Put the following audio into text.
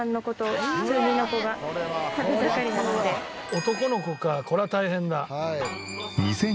男の子かこれは大変だ。